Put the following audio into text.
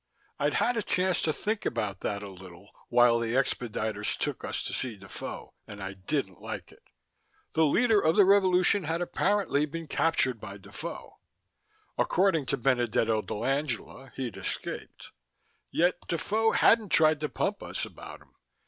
I'd had a chance to think about that a little while the expediters took us to see Defoe, and I didn't like it. The leader of the revolution had apparently been captured by Defoe. According to Benedetto dell'Angela, he'd escaped. Yet Defoe hadn't tried to pump us about him.